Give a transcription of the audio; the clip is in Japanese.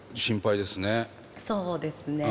そうですね。